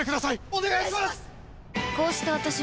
お願いします！